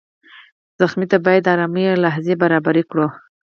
ټپي ته باید د ارامۍ لحظې برابرې کړو.